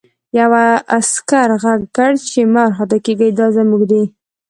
یوه عسکر غږ کړ چې مه وارخطا کېږه دا زموږ دي